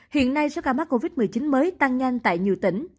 hiện nay số ca mắc covid một mươi chín mới tăng nhanh tại nhiều tỉnh